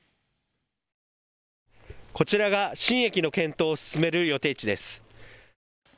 こちらが新駅の検討を進める予定地です。